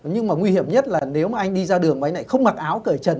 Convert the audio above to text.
nhưng mà nguy hiểm nhất là nếu mà anh đi ra đường với anh này không mặc áo cởi trần